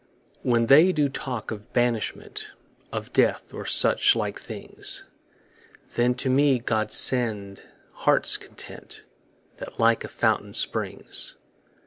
When they do talk of banishment, Of death, or such like things, Then to me God send heart's content, That like a fountain springs.